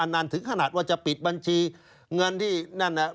นั่นถึงขนาดว่าจะปิดบัญชีเงินที่นั่นน่ะ